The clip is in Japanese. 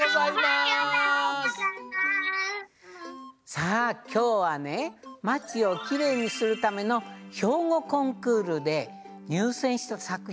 さあきょうはねまちをきれいにするためのひょうごコンクールでにゅうせんしたさくひんがテーマですよ。